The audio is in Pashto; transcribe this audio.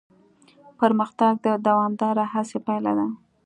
پرمختګ د دوامداره هڅې پایله ده.